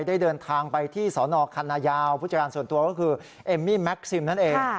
ได้เดินทางไปที่สนคันนายาวผู้จัดการส่วนตัวก็คือเอมมี่แม็กซิมนั่นเอง